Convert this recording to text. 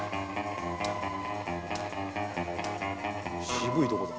渋いとこだ。